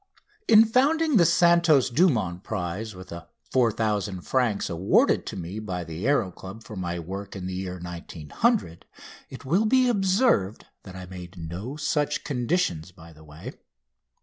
In founding the Santos Dumont prize with the 4000 francs awarded to me by the Aéro Club for my work in the year 1900 it will be observed that I made no such conditions by the way.